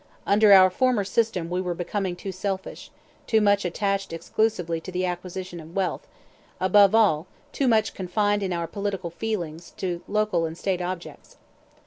Under our former system we were becoming too selfish, too much attached exclusively to the acquisition of wealth, above all, too much confined in our political feelings to local and state objects.